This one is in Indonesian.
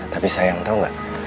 tapi sayang tau gak